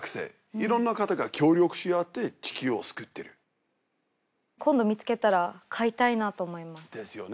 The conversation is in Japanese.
いろんな方が協力しあって地球を救ってる今度見つけたら買いたいなと思いますですよね